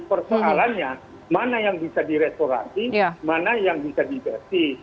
persoalannya mana yang bisa direstorasi mana yang bisa digasi